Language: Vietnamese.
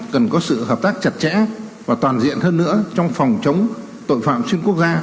cần có sự hợp tác chặt chẽ và toàn diện hơn nữa trong phòng chống tội phạm xuyên quốc gia